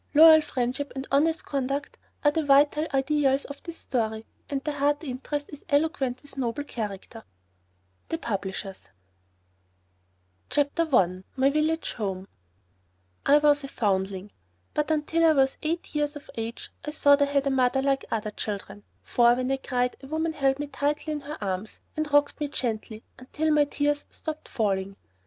Loyal friendship and honest conduct are the vital ideals of this story, and the heart interest is eloquent with noble character. THE PUBLISHERS. NOBODY'S BOY CHAPTER I MY VILLAGE HOME I was a foundling. But until I was eight years of age I thought I had a mother like other children, for when I cried a woman held me tightly in her arms and rocked me gently until my tears stopped falling.